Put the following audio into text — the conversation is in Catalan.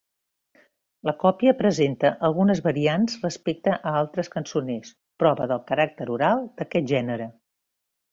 La còpia presenta algunes variants respecte a altres cançoners, prova del caràcter oral d'aquest gènere.